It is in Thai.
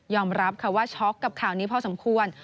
รับค่ะว่าช็อกกับข่าวนี้พอสมควร